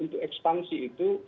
untuk ekspansi itu